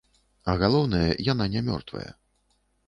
А галоўнае, яна не мёртвая.